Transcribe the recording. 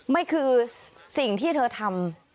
นี่คือสิ่งที่เธอทำ